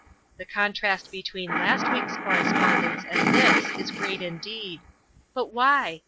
The contrast between last week's correspondence and this is great indeed; but why?